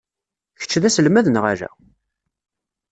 Kečč d aselmad neɣ ala?